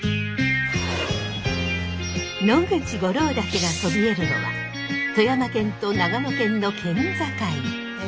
野口五郎岳がそびえるのは富山県と長野県の県境。